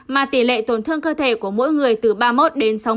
mà tỷ lệ tổn thương cơ thể của mỗi người từ ba mươi một đến sáu mươi